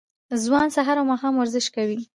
ځوانان سهار او ماښام ورزش کوي.